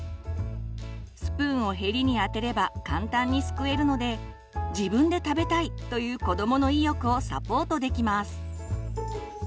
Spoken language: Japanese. スプーンをヘリに当てれば簡単にすくえるので「自分で食べたい」という子どもの意欲をサポートできます。